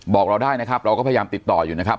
บอกเราได้นะครับเราก็พยายามติดต่ออยู่นะครับ